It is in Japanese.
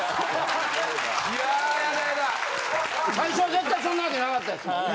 ・いややだやだ・最初は絶対そんなわけなかったですもんね。